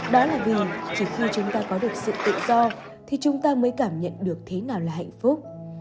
đó là vì chỉ khi chúng ta có được sự tự do thì chúng ta mới cảm nhận được thế nào là hạnh phúc